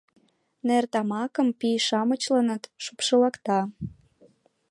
Нер тамакым пий-шамычланат шупшылыкта.